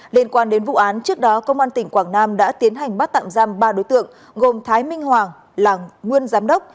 liên quan đến vụ án trước đó công an tỉnh quảng nam đã tiến hành bắt tạm giam ba đối tượng gồm thái minh hoàng là nguyên giám đốc